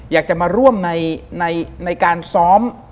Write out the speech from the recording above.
อยากจะมาร่วมในการซ้อม